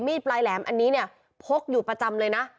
มีดปลายแหลมอันนี้พกอยู่ประจำเลยนะ